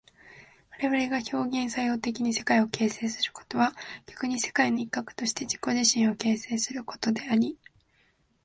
我々が表現作用的に世界を形成することは逆に世界の一角として自己自身を形成することであり、